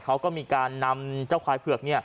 เขาก็มีการนำเจ้าควายเผือก